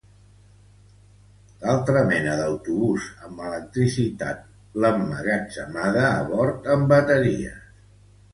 L'altra mena d'autobús amb electricitat l'emmagatzemada a bord en bateries.